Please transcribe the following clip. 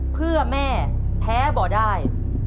เพื่อแม่แพ้บ่อได้